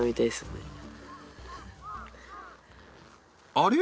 あれ？